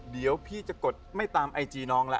เดี๋ยวพี่จะกดไม่ตามไอจีน้องแล้ว